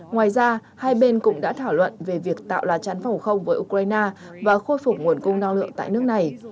ngoài ra hai bên cũng đã thảo luận về việc tạo lá chắn phòng không với ukraine và khôi phục nguồn cung năng lượng tại nước này